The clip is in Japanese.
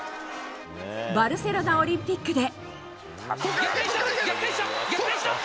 バルセロナオリンピックで。